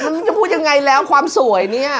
ฉันจะพูดยังไงแล้วความสวยเนี่ย